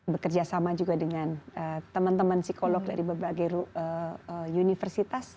bekerjasama juga dengan teman teman psikolog dari berbagai universitas